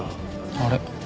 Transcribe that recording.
あれ？